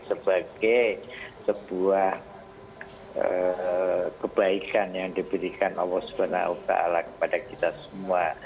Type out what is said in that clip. sebagai sebuah kebaikan yang diberikan allah swt kepada kita semua